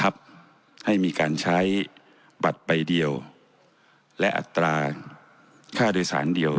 บัตรใบเดียวและอัตราค่าโดยสารเดียว